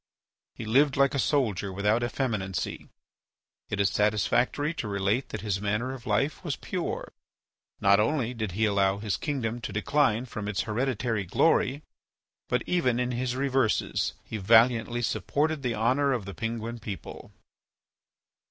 He lived like a soldier without effeminacy. It is satisfactory to relate that his manner of life was pure. Not only did he not allow his kingdom to decline from its hereditary glory, but, even in his reverses he valiantly supported the honour of the Penguin people.